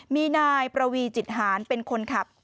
มีนายประวีจิตหารเป็นคนขับ